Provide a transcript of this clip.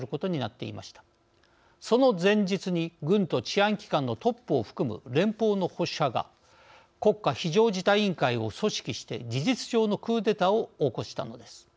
その前日に軍と治安機関のトップを含む連邦の保守派が国家非常事態委員会を組織して事実上のクーデターを起こしたのです。